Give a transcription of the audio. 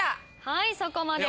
はいそこまで。